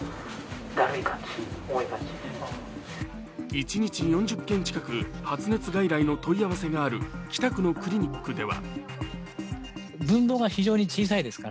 一日４０件近く発熱外来の問い合わせがある北区のクリニックでは。